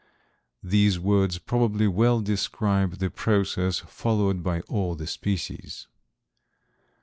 These words probably well describe the process followed by all the species.